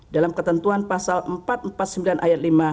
dalam ketentuan pasal empat ratus empat puluh sembilan ayat lima